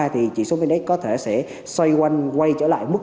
thì trị số vnx có thể sẽ xoay quanh quay trở lại mức một hai trăm linh